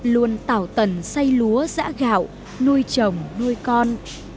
luôn tạo tần xây lúa giã gạo nuôi chồng nuôi con